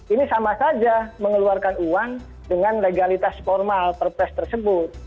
ini sama saja mengeluarkan uang dengan legalitas formal perpres tersebut